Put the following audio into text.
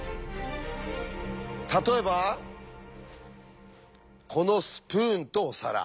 例えばこのスプーンとお皿。